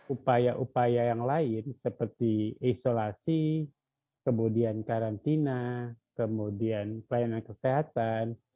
upaya upaya yang lain seperti isolasi kemudian karantina kemudian pelayanan kesehatan